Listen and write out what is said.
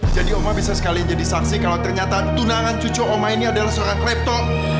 jadi oma bisa sekali jadi saksi kalau ternyata tunangan cucu oma ini adalah seorang klepto